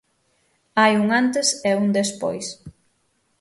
Hai un antes e un despois.